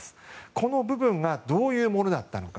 この部分がどういうものだったのか。